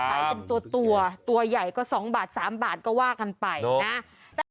ขายเป็นตัวตัวใหญ่ก็๒บาท๓บาทก็ว่ากันไปนะ